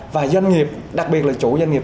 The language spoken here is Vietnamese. và doanh nghiệp đặc biệt là chủ doanh nghiệp